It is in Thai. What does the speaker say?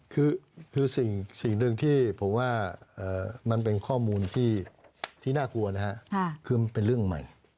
คือสิ่งหนึ่งที่ผมว่ามันเป็นข้อมูลที่น่ากลัวนะฮะคือมันเป็นเรื่องใหม่